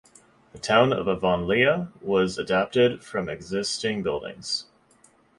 The town of Avonlea was adapted from existing buildings.